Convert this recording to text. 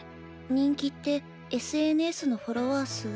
人気ってＳＮＳのフォロワー数？